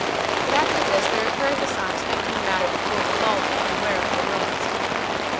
But after this there occurreth a sign respecting a matter which will befall thee and whereof I will not speak."